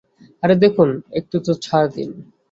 আরে দেখুন, একটু তো ছাড় দিন।